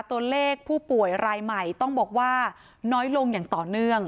ตัวเลขผู้ป่วยรายใหม่ต้องบอกว่าน้อยลงอย่างต่อเนื่อง